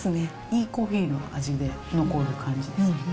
いいコーヒーの味で残る感じですかね。